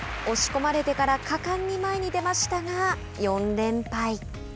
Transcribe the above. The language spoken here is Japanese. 押し込まれてから果敢に前に出ましたが４連敗。